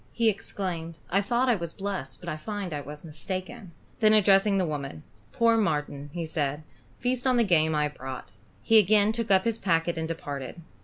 He exclaimed: "I thought I was blessed, but I find I was mistaken." Then addressing the woman, "Poor Marten," said he, "feast on the game I have brought." He again took up his packet and departed.